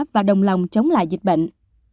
và đồng lòng chống lại dịch bệnh